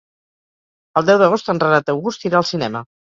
El deu d'agost en Renat August irà al cinema.